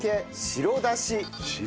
白だし。